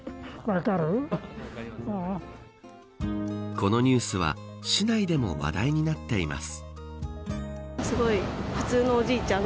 このニュースは市内でも話題になっています。